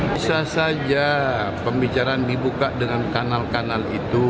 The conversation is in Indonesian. bisa saja pembicaraan dibuka dengan kanal kanal itu